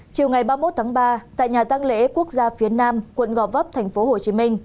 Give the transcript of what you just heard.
chiều ngày ba mươi một tháng ba tại nhà tăng lễ quốc gia phía nam quận gò vấp tp hcm